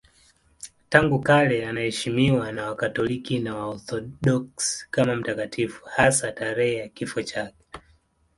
Tangu kale anaheshimiwa na Wakatoliki na Waorthodoksi kama mtakatifu, hasa tarehe ya kifo chake.